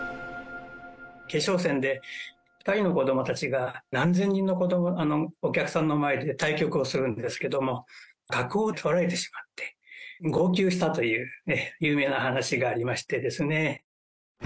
決勝戦で、２人の子どもたちが何千人のお客さんの前で対局をするんですけども、角を取られてしまって、号泣したという有名な話がありましてですね。